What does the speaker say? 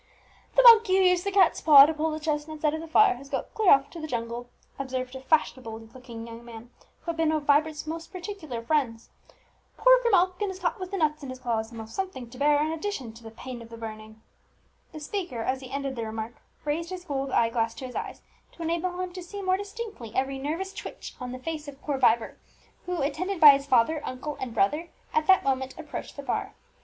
"The monkey who used the cat's paw to pull the chestnuts out of the fire, has got clear off to the jungle," observed a fashionable looking young man, who had been one of Vibert's most particular friends. "Poor Grimalkin is caught with the nuts in his claws, and will have something to bear in addition to the pain of the burning!" The speaker, as he ended the remark, raised his gold eye glass to his eyes, to enable him to see more distinctly every nervous twitch on the face of poor Vibert, who, attended by his father, uncle, and brother, at that moment approached the bar.